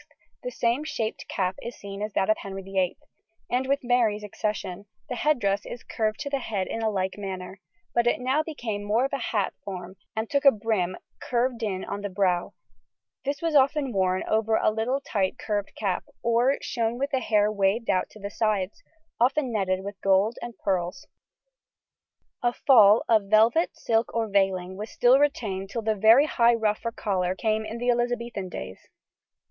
] With Edward VI the same shaped cap is seen as that of Henry VIII, and with Mary's accession, the head dress is curved to the head in a like manner, but it now became more of a hat form and took a brim curved in on the brow; this was often worn over the little tight curved cap, or showed the hair waved out at the sides, often netted with gold and pearls. A fall of velvet, silk, or veiling was still retained till the very high ruff or collar came in the Elizabethan days.